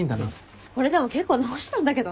これでも結構直したんだけどね。